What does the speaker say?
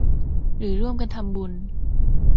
หรือร่วมกันทำบุญ